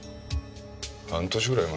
半年ぐらい前。